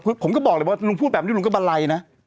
คือผมก็บอกเลยว่าลุงพูดแบบนี้ลุงก็บันไลนะ